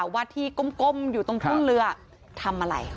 ว่าที่ก้มอยู่ตรงทุ่งเรือทำอะไร